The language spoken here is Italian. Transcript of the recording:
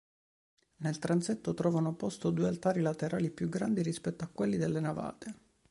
Nel transetto trovano posto due altari laterali più grandi rispetto a quelli delle navate.